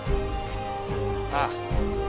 ああ。